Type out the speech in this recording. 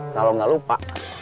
kalau gak lupa